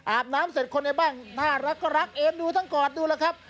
อาบน้ำเสร็จคนในบ้านน่ารักก็รักเอ็นดูทั้งกอดดูแล้วครับ